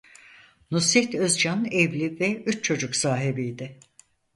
Nusret Özcan evli ve üç çocuk sahibiydi.